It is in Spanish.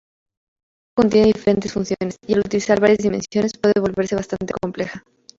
Sin embargo, contiene diferentes funciones, y al utilizar varias dimensiones puede volverse bastante compleja.